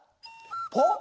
ポッ！